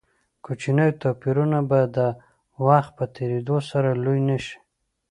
کوچني توپیرونه به د وخت په تېرېدو سره لوی نه شي.